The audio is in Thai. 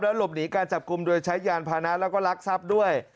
หลบหนีการจับกลุ่มโดยใช้ยานพานะแล้วก็รักทรัพย์ด้วย